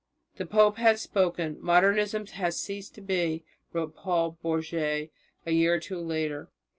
"The pope has spoken, Modernism has ceased to be," wrote Paul Bourget a year or two later.